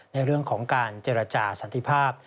ในเรื่องของการเจรจาสันติภาพ